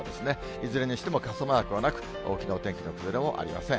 いずれにしても傘マークはなく、大きな天気の崩れもありません。